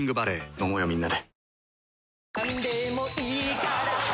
飲もうよみんなで。